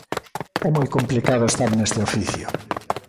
É moi complicado estar neste oficio.